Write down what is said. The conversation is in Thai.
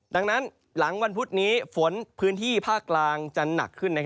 ดังนั้นหลังวันพุธนี้ฝนพื้นที่ภาคกลางจะหนักขึ้น